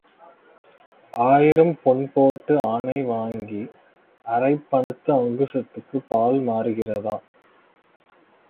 ஆயிரம் பொன் போட்டு ஆனை வாங்கி அரைப் பணத்து அங்குசத்துக்குப் பால் மாறுகிறதா?